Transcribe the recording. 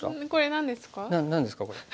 何ですかこれ。